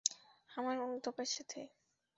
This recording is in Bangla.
আমার অনুতাপের সাথে?